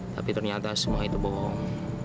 tapi ternyata semua itu bohong